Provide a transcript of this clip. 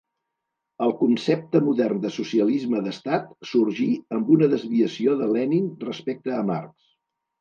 El concepte modern de socialisme d'estat sorgí amb una desviació de Lenin respecte a Marx.